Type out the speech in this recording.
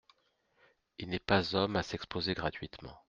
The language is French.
Il n'est pas homme à s'exposer gratuitement.